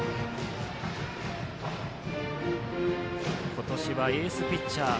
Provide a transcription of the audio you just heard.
今年はエースピッチャー